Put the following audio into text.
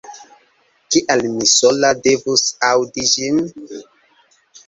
Kial mi sola devus aŭdi ĝin?